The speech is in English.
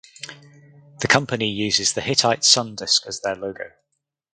The company uses the Hittite sun disk as their logo.